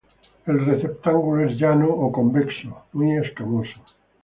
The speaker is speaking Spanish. El receptáculo es llano o convexo, muy escamoso.